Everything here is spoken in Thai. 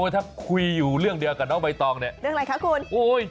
ถ้าคุยอยู่เรื่องเดียวกับน้องใบตองเนี่ย